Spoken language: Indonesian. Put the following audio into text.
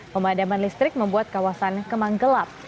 pemadaman listrik membuat kawasan kemang gelap